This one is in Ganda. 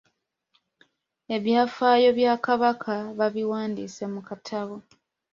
Ebyafaayo bya Kabaka babiwandiise mu katabo.